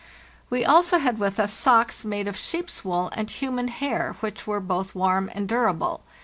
We also had with us socks made of sheep's wool and human hair, which were both warm and durable.